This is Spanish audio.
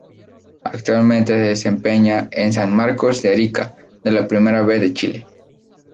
Actualmente se desempeña en San Marcos de Arica de la Primera B de Chile.